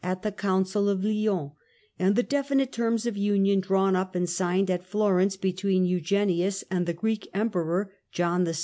at the Council of Lyons, and the definite terms of union drawn up and signed at Florence between Eugenius and the Greek Emperor, John VI.